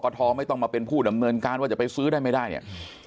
ทไม่ต้องมาเป็นผู้ดำเนินการว่าจะไปซื้อได้ไม่ได้เนี่ย